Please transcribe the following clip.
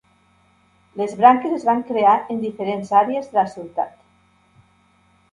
Les branques es van crear en diferents àrees de la ciutat.